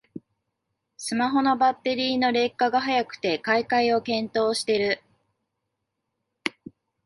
スマホのバッテリーの劣化が早くて買い替えを検討してる